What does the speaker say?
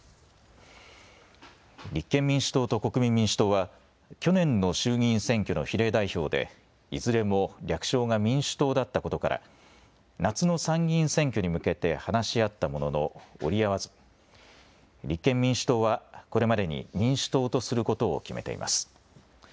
立憲民主党と国民民主党は去年の衆議院選挙の比例代表でいずれも略称が民主党だったことから夏の参議院選挙に向けて話し合ったものの折り合わず立憲民主党はこれまでに民主党とすることを決めています。